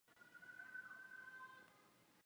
鸡爪簕为茜草科鸡爪簕属下的一个种。